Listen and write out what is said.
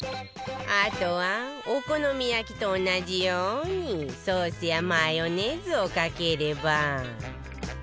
あとはお好み焼きと同じようにソースやマヨネーズをかければ